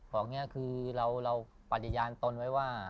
ของนี้คือเราปฏิญาณตนไว้ว่า